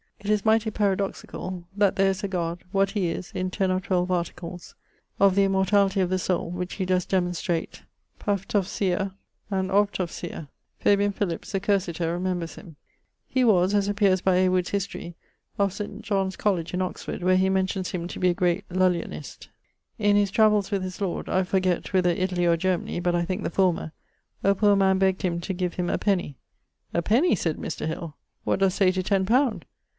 It is mighty paradoxicall: That there is a God; What he is, in 10 or 12 articles: Of the Immortality of the Soule, which he does demonstrate παντουσία and ὀντουσία. [Fabian Philips, the cursiter, remembers him.] He was, as appeares by A. Wood's Historie, of St. John's Colledge in Oxford, where he mentions him to be a great Lullianist. In his travells with his lord, (I forget whither Italy or Germany, but I thinke the former) a poor man begged him to give him a penny. 'A penny!' said Mr. Hill, 'what dost say to ten pound?'